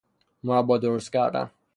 مربا درست کردن